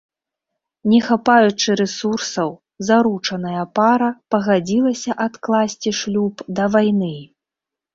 Не хапаючы рэсурсаў, заручаная пара пагадзілася адкласці шлюб да вайны.